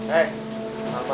seru nih kayaknya